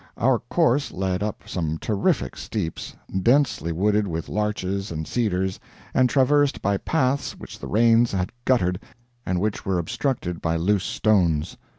Our course led up some terrific steeps, densely wooded with larches and cedars, and traversed by paths which the rains had guttered and which were obstructed by loose stones.